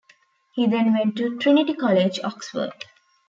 He then went to Trinity College, Oxford.